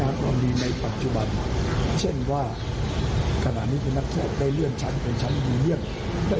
อันนี้คือปัจจุบันอนาคตคือถ้าฆ่าพระเจ้าได้ผล